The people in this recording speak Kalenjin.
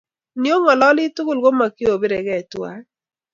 Neongololi tugul komakiobirkei tuwai?